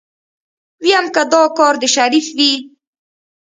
ويم که دا کار د شريف وي.